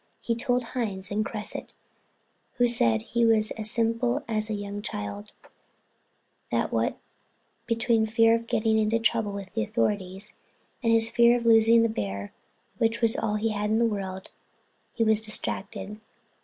He told Hines and Cresset, who said he was as simple as a young child, that what between his fear of getting into trouble with the authorities and his fear of losing the bear which was all he had in the world, he was distracted.